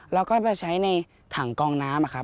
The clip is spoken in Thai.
และไปใช้ในถ่านกองน้ำ